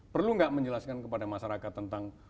perlu nggak menjelaskan kepada masyarakat tentang